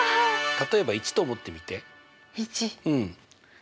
例えば１と思ってみて。